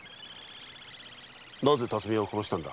なぜ巽屋を殺したんだ？